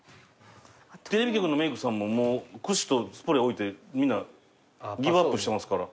テレビ局のメークさんももうくしとスプレー置いてみんなギブアップしてますから。